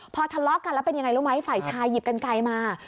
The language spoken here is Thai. พอทะเลาะกันแล้วเป็นยังไงรู้ไหมฝ่ายชายหยิบกันไกลมา